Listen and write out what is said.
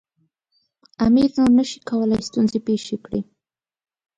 امیر نور نه شي کولای ستونزې پېښې کړي.